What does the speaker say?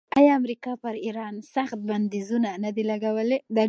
آیا امریکا پر ایران سخت بندیزونه نه دي لګولي؟